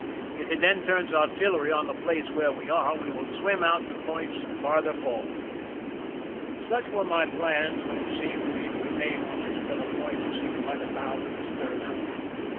If he then turns artillery on the place where we are, we will swim out to points farther forward." Such 102 THE RUN IN were my plans when it seemed we should remain on Estrella Point and sink by the bow with the stern out.